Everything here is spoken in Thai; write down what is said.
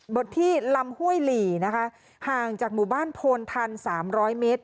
ดที่ลำห้วยหลีนะคะห่างจากหมู่บ้านโพนทัน๓๐๐เมตร